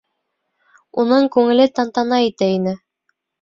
Уның күңеле тантана итә ине.